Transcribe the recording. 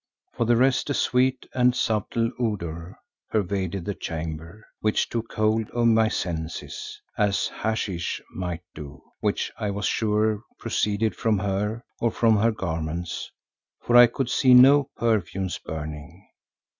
For the rest a sweet and subtle odour pervaded the chamber which took hold of my senses as hasheesh might do, which I was sure proceeded from her, or from her garments, for I could see no perfumes burning.